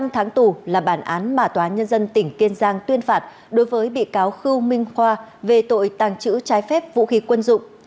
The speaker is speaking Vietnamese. một mươi năm tháng tù là bản án mà tòa nhân dân tỉnh kiên giang tuyên phạt đối với bị cáo khưu minh khoa về tội tàng trữ trái phép vũ khí quân dụng